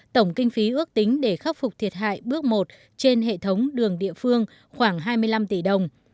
tổng kinh phí ước tính để khắc phục thiệt hại bước một trên hệ thống đường địa phương khoảng hai mươi năm tỷ đồng